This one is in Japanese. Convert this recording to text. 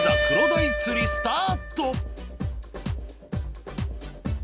クロダイ釣りスタート！